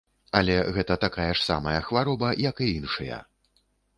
Але гэта такая ж самая хвароба, як і іншыя.